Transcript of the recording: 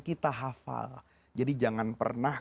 kita hafal jadi jangan pernah